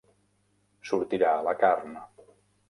sortirà a la carn